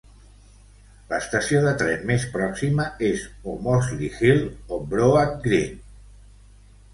L'estació de tren més pròxima és o Mossley Hill o Broadgreen.